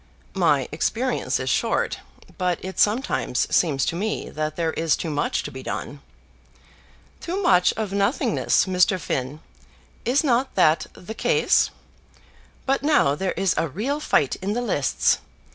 "My experience is short, but it sometimes seems to me that there is too much to be done." "Too much of nothingness, Mr. Finn. Is not that the case? But now there is a real fight in the lists.